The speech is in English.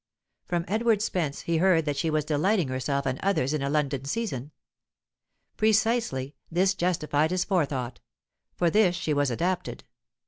From Edward Spence he heard that she was delighting herself and others in a London season. Precisely; this justified his forethought; for this she was adapted.